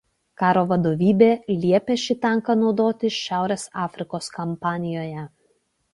Karo vadovybė liepė šį tanką naudoti Šiaurės Afrikos kampanijoje.